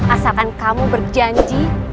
asalkan kamu berjanji